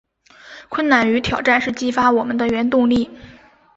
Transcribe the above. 困难与挑战是激发我们的原动力